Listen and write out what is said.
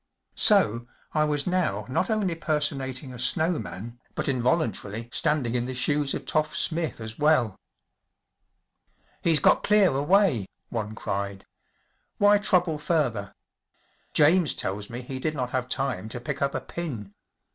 So 1 was now not only personating a snow man but involuntarily standing in the shoes of “ Toff ‚ÄĚ Smith as well. “ He’s got clear away ! ‚ÄĚ one cried. “ Why trouble further ? James tells me he did not have time to pick up a pin.